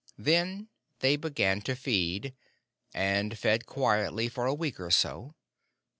Then they began to feed, and fed quietly for a week or so.